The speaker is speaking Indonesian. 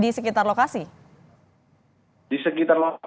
di sekitar lokasi itu